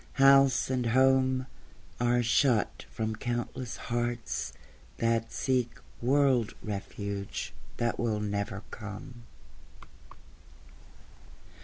House and home Are shut from countless hearts that seek World refuge that will never come.